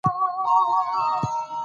دا ګټه په مصرف ارزي.